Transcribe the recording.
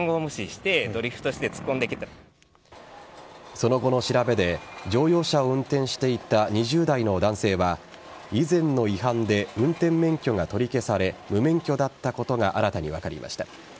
その後の調べで乗用車を運転していた２０代の男性は以前の違反で運転免許が取り消され無免許だったことが新たに分かりました。